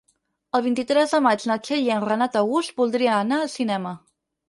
El vint-i-tres de maig na Txell i en Renat August voldria anar al cinema.